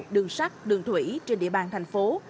đường sắt đường thủy trên địa bàn thành phố